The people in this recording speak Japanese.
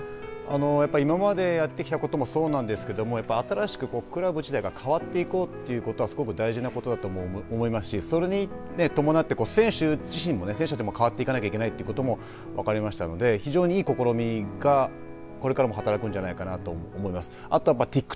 やっぱり、今までやってきたこともそうなんですけどもやっぱり新しくクラブ自体が変わっていこうということはすごく大事なことだと思いますしそれに伴って選手自身も選手たちも変わっていかなければいけないということも分かりましたので非常にいい試みがこれからも働くんじゃないかなと思います。